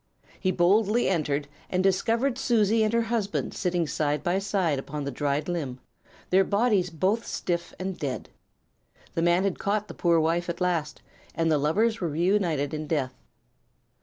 "He boldly entered, and discovered Susie and her husband sitting side by side upon the dried limb, their bodies both stiff and dead. The man had caught the poor wife at last, and the lovers were reunited in death.